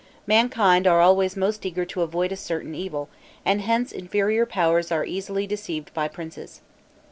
Mankind are always most eager to avoid a certain evil; and hence inferior powers are easily deceived by princes.